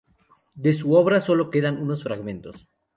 De su obra solo quedan unos fragmentos.